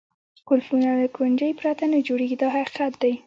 قلفونه له کونجۍ پرته نه جوړېږي دا حقیقت دی.